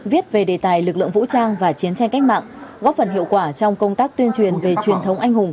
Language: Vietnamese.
viết về đề tài lực lượng vũ trang và chiến tranh cách mạng góp phần hiệu quả trong công tác tuyên truyền về truyền thống anh hùng